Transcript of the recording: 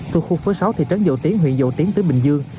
thuộc khu phố sáu thị trấn dầu tiến huyện dầu tiến tỉnh bình dương